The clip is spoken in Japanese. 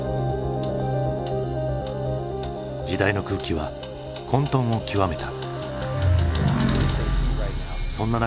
時代の空気は混とんを極めた。